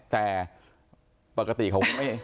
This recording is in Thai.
แต่ปกติเขา